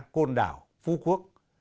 côn đảo phú quốc